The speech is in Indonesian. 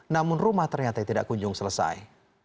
namun rumah ternyata tidak kunjung selesai